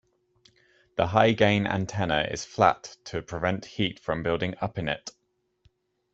The high-gain antenna is flat to prevent heat from building up in it.